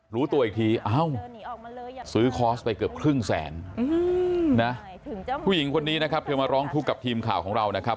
รู้ตัวอีกทีเอ้าซื้อคอร์สไปเกือบครึ่งแสนนะผู้หญิงคนนี้นะครับเธอมาร้องทุกข์กับทีมข่าวของเรานะครับ